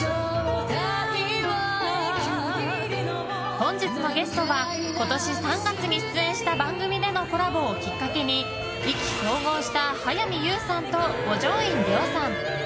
本日のゲストは今年３月に出演した番組でのコラボをきっかけに意気投合した早見優さんと五条院凌さん。